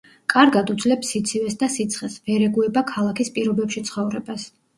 კარგად უძლებს სიცივეს და სიცხეს, ვერ ეგუება ქალაქის პირობებში ცხოვრებას.